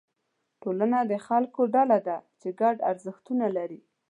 ټولنه د خلکو ډله ده چې ګډ ارزښتونه لري.